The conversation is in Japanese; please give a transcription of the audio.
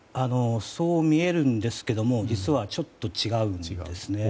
そう見えるんですが実は、ちょっと違うんですね。